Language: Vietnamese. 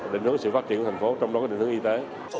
định hướng sự phát triển của thành phố trong đó là định hướng y tế